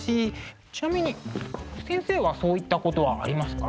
ちなみに先生はそういったことはありますか？